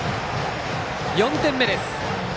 ４点目です。